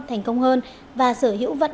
thành công hơn và sở hữu vật